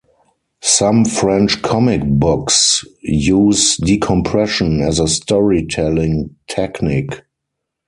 Some French comic books use decompression as a storytelling technique.